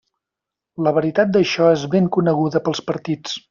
La veritat d'això és ben coneguda pels partits.